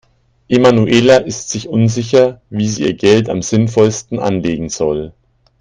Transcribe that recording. Emanuela ist sich unsicher, wie sie ihr Geld am sinnvollsten anlegen soll.